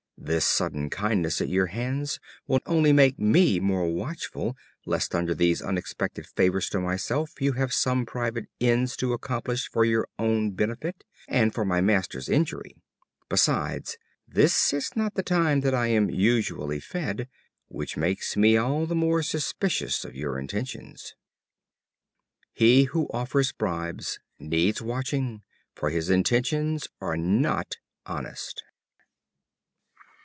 This sudden kindness at your hands will only make me more watchful, lest under these unexpected favors to myself you have some private ends to accomplish for your own benefit, and for my master's injury. Besides, this is not the time that I am usually fed, which makes me all the more suspicions of your intentions." He who offers bribes needs watching, for his intentions are not honest.